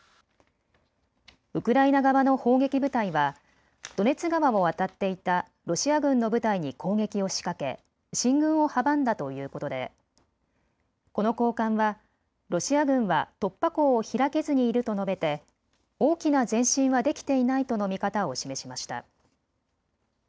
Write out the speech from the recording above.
ウクライナ側の砲撃部隊はドネツ川を渡っていたロシア軍の部隊に攻撃を仕掛け進軍を阻んだということでこの高官はロシア軍は突破口を開けずにいると述べて大きな前進はできていないとの見方を示しました。